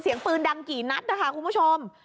เสียงปืนดังกี่นัดนะคะคุณผู้ชม